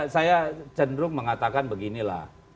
saya cenderung mengatakan beginilah